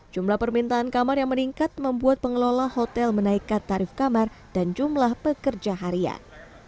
jumlah permintaan kamar yang meningkat membuat pengelola hotel menaikkan tarif kamar dan jumlah pekerja harian